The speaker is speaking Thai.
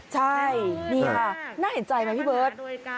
ใช่นี่ค่ะน่าเห็นใจไหมพี่เบิร์ต